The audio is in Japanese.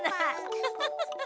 フフフフ。